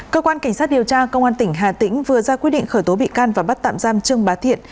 cơ quan cảnh sát điều tra công an tỉnh hà tĩnh vừa ra quyết định khởi tố bị can và bắt tạm giam trương bá thiện